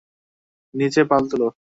নিচে পাল তোলো!